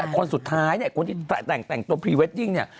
คนสุดท้ายคนที่แต่งตัวพรีเวตติ้งนี่